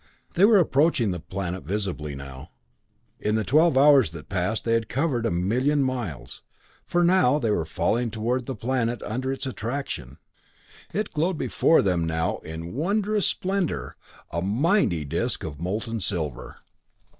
They were approaching the planet visibly now. In the twelve hours that had passed they had covered a million miles, for now they were falling toward the planet under its attraction. It glowed before them now in wonderous splendour, a mighty disc of molten silver.